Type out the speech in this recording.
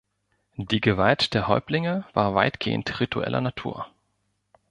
Die Gewalt der Häuptlinge war weitgehend ritueller Natur.